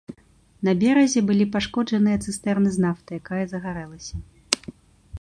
На беразе былі пашкоджаныя цыстэрны з нафтай, якая загарэлася.